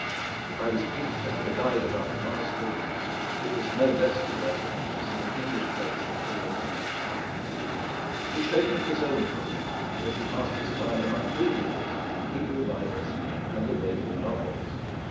If I was pleased to have a guide about the monastery, he was no less delighted to see an English face and hear an English tongue. He showed me his own room, where he passed his time among breviaries, Hebrew Bibles, and the Waverley Novels.